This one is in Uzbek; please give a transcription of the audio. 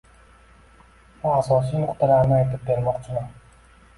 Va asosiy nuqtalarini aytib bermoqchiman.